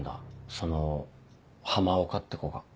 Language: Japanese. ・その浜岡って子が。